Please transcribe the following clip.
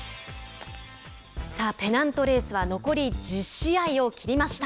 さあ、ペナントレースは残り１０試合を切りました。